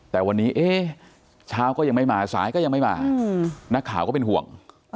แต่วันนี้เช้าก็ยังไม่มาสายก็ยังไม่มานักข่าวก็เป็นห่วง